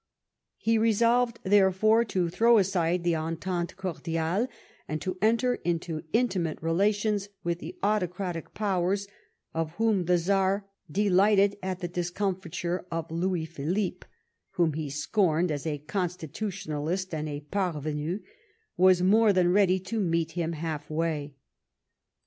He resolved, therefore, to throw aside the entente cordiale, and to enter into intimate relations with the autocratic Powers, of whom the Czar, delighted at the discomfiture of Louis Philippe, whom he scorned as a constitutionalist eaiAsL parvenu, was more than ready to meet him half way.